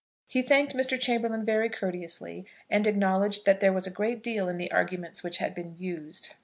He thanked Mr. Chamberlaine very courteously, and acknowledged that there was a great deal in the arguments which had been used.